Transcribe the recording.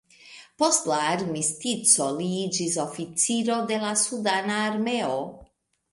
Post la armistico li iĝis oficiro de la sudana armeo.